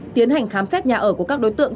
tiến hành khám xét nhà ở của các đối tượng